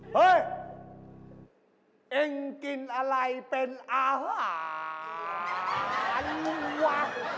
เฮ้ยเองกินอะไรเป็นอาหารวะ